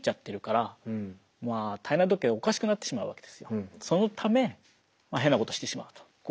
でもそれがそのため変なことをしてしまうと。